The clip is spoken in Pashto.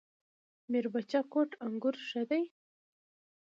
میربچه کوټ انګور ښه دي؟